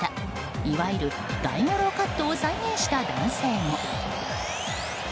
いわゆる大五郎カットを再現した男性も。